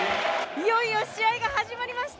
いよいよ試合が始まりました。